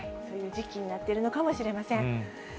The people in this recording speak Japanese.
そういう時期になっているのかもしれません。